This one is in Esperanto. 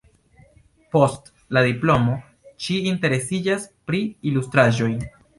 Post la diplomo ŝi interesiĝas pri ilustraĵoj.